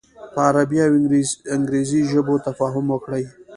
په عربي او انګریزي ژبو تفاهم وکړي.